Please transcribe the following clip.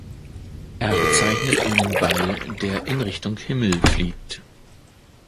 Er bezeichnet einen Ball, der in Richtung Himmel fliegt.